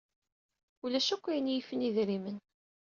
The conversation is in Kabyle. Ulac akk ayen i yifen idrimen.